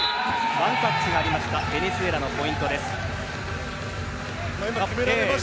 ワンタッチがありましたベネズエラのポイントです。